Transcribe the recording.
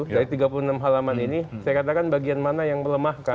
dari tiga puluh enam halaman ini saya katakan bagian mana yang melemahkan